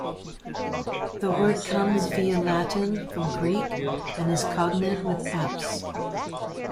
The word comes via Latin from Greek and is cognate with apse.